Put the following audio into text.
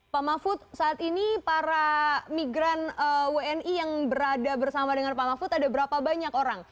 pak mahfud saat ini para migran wni yang berada bersama dengan pak mahfud ada berapa banyak orang